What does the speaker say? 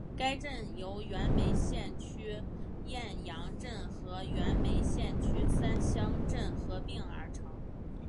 该镇由原梅县区雁洋镇和原梅县区三乡镇合并而成。